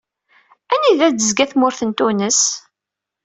Anida d-tezga tmurt n Tunes?